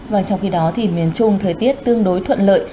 và trong khi đó thì miền trung thời tiết tương đối thuận lợi